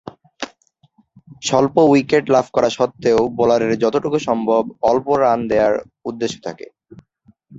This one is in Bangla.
স্বল্প উইকেট লাভ করা স্বত্ত্বেও বোলারের যতটুকু সম্ভব অল্প রান দেয়ার উদ্দেশ্য থাকে।